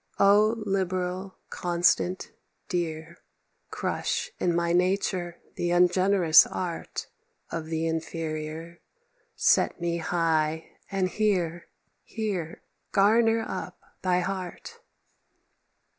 "O liberal, constant, dear! Crush in my nature the ungenerous art Of the inferior; set me high, and here, Here garner up thy heart."